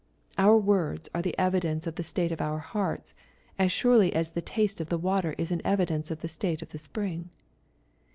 Our words are the evidence of the state of our hearts, as surely as the taste of the water is an evidence of the state of the spring.